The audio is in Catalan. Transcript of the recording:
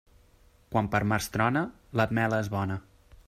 Quan per març trona, l'ametla és bona.